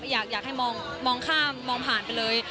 อยากให้มองข้ามมองผ่านไปเลย